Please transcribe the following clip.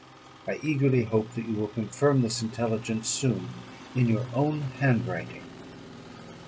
I eagerly hope that you will confirm this intelligence soon in your own handwriting.